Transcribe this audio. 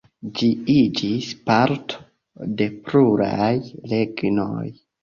Ĝi iĝis parto de pluraj regnoj.